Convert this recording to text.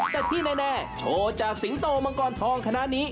แต่ที่แน่โชว์จากสิงโตมังกรทองคณะนี้